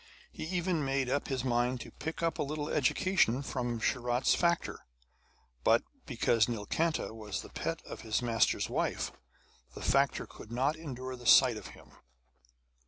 He even made up his mind to pick up a little education from Sharat's factor. But, because Nilkanta was the pet of his master's wife, the factor could not endure the sight of him.